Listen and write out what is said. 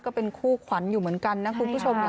ก็เป็นคู่ขวัญอยู่เหมือนกันนะคุณผู้ชม